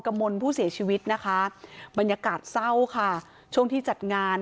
มลผู้เสียชีวิตนะคะบรรยากาศเศร้าค่ะช่วงที่จัดงาน